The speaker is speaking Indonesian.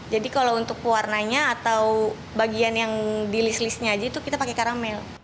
jadi kalau untuk pewarnanya atau bagian yang di list listnya aja itu kita pakai karamel